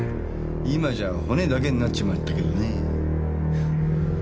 今じゃ骨だけになっちまったけどねぇ。